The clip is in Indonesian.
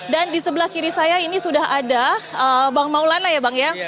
dan di sebelah kiri saya ini sudah ada bang maulana ya bang ya